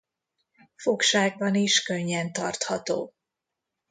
Fogságban is könnyen tartható.